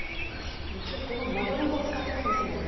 今日は丸ごと使ってくんですもんね。